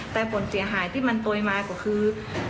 แต่ผลเสียหายที่มันตครมากกว่าคือ